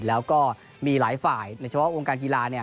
และมีหลายฝ่ายช่วงวงการกีฬา